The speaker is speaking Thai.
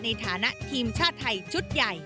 ในฐานะทีมชาติไทยชุดใหญ่